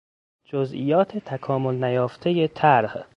جزئیات تکامل نیافتهی طرح